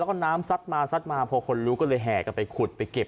แล้วก็น้ำซัดมาซัดมาพอคนรู้ก็เลยแห่กันไปขุดไปเก็บ